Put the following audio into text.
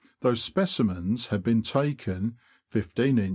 though specimens have been taken I5in.